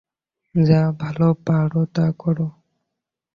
যা ভালো পারো, তা করো।